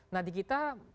nah di kita